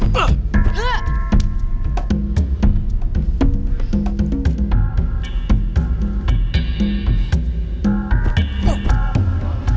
gak ada sakti